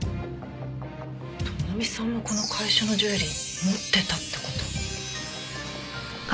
朋美さんもこの会社のジュエリー持ってたって事？